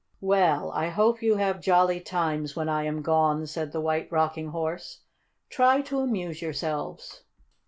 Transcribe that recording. "Well, I hope you have jolly times when I am gone," said the White Rocking Horse. "Try to amuse yourselves."